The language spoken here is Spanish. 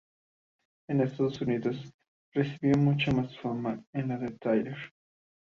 En Estados Unidos recibió mucha más fama que la de Tyler.